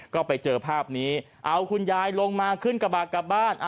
ก็ไปเจอภาพนี้เอาคุณยายลงมาขึ้นกระบะกลับบ้าน